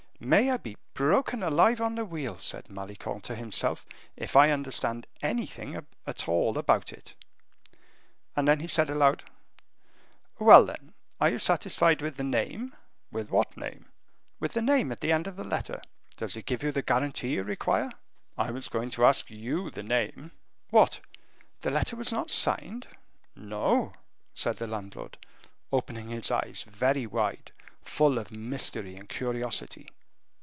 "May I be broken alive on the wheel," said Malicorne to himself, "if I understand anything at all about it," and then he said aloud, "Well, then, are you satisfied with the name?" "With what name?" "With the name at the end of the letter. Does it give you the guarantee you require?" "I was going to ask you the name." "What! was the letter not signed?" "No," said the landlord, opening his eyes very wide, full of mystery and curiosity.